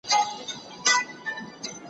ما پرون د سبا لپاره د هنرونو تمرين وکړ!!